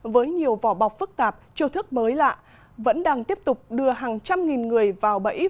với nhiều vỏ bọc phức tạp chiêu thức mới lạ vẫn đang tiếp tục đưa hàng trăm nghìn người vào bẫy